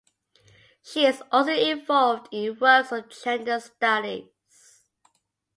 She is also involved in works on Gender studies.